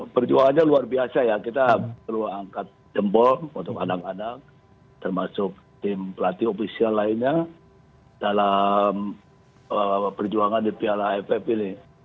perjuangannya luar biasa ya kita perlu angkat jempol untuk anak anak termasuk tim pelatih ofisial lainnya dalam perjuangan di piala aff ini